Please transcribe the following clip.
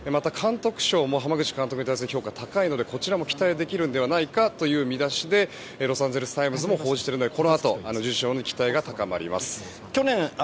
また、監督賞も濱口監督に対する評価も高いのでこちらも期待できるのではないかという見方でロサンゼルス・タイムズも報じているのでこのあと受賞の期待が高まります。